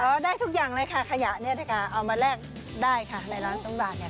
ได้ทุกอย่างเลยค่ะขยะเนี่ยนะคะเอามาแลกได้ค่ะในร้านส้มบาทเนี่ย